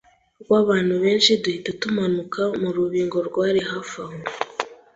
rw’abantu benshi duhita tumanuka murubingo rwari hafaho!